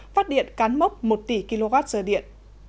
phát điện cán mốc một tỷ kwh điện